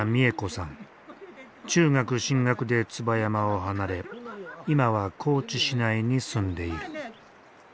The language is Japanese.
中学進学で椿山を離れ今は高知市内に住んでいる。